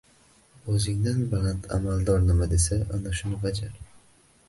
O’zingdan baland amaldor nima desa — ana shuni bajar.